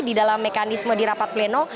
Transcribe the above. di dalam mekanisme di rapat pleno